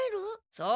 そう。